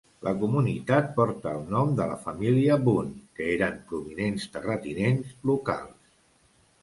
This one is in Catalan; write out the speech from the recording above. La comunitat porta el nom de la família Boone, que eren prominents terratinents locals.